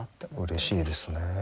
うれしいですね。